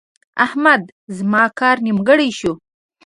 احمده! زما کار نیمګړی شو.